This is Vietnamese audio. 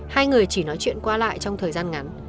hai người chỉ nói chuyện qua lại trong thời gian ngắn